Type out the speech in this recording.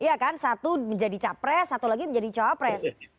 iya kan satu menjadi capres satu lagi menjadi cawapres